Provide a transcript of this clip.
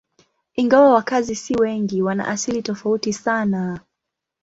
Ingawa wakazi si wengi, wana asili tofauti sana.